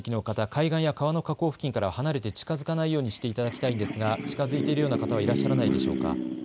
海岸や川の河口付近から離れて近づかないようにしていただきたいですが近づいているような方はいらっしゃいますか。